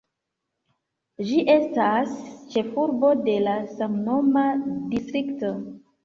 Ĝi estas ĉefurbo de la samnoma distrikto.